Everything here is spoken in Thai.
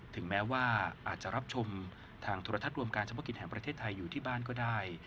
ถึงแม้ว่าอาจจะรับชมทางโทรทัศน์รวมการเฉพาะกิจแห่งประเทศไทยอยู่ที่บ้านก็ได้